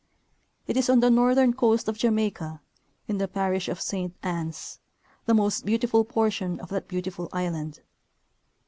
It is on the northern coast of Jamaica, in the parish of Saint Anns, the most beautiful portion of that beautiful island.